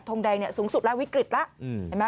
ทงแดงเนี่ยสูงสุดละวิกฤตละ